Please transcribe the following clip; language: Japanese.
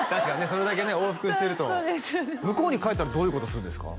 それだけね往復してると向こうに帰ったらどういうことするんですか？